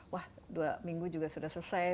wah dua minggu juga sudah selesai